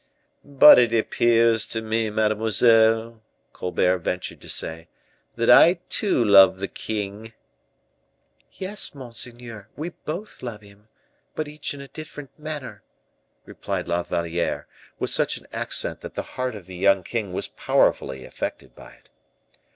"But it appears to me, mademoiselle," Colbert ventured to say, "that I too love the king." "Yes, monseigneur, we both love him, but each in a different manner," replied La Valliere, with such an accent that the heart of the young king was powerfully affected by it.